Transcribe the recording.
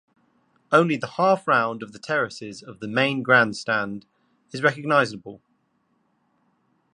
Only the half-round of the terraces of the main grandstand is recognizable.